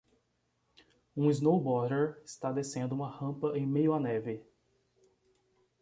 Um snowboarder está descendo uma rampa em meio a neve.